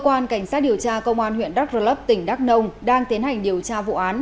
cơ quan cảnh sát điều tra công an huyện đắk rơ lấp tỉnh đắk nông đang tiến hành điều tra vụ án